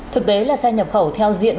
thực tế là xe nhập khẩu theo diện